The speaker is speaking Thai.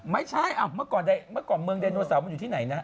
ไม่ใช่แบบเมื่อก่อนเมืองดาโนเสามันอยู่ที่ไหนนะ